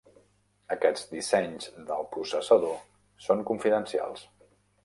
Aquests dissenys del processador són confidencials.